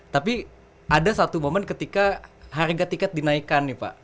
tapi ada satu momen ketika harga tiket dinaikkan nih pak